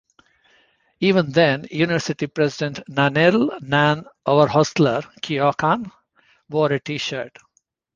Even then university president, Nannerl 'Nan' Overholser Keohane, wore a T-shirt.